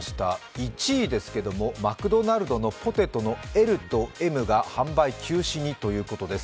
１位ですけれどもマクドナルドのポテトのＭとＬが販売休止にということです。